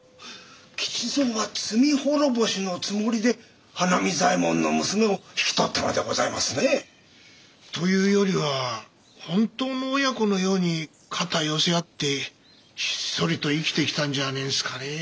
吉蔵は罪滅ぼしのつもりで花水左衛門の娘を引き取ったのでございますね。というよりは本当の親子のように肩寄せ合ってひっそりと生きてきたんじゃねえですかねぇ。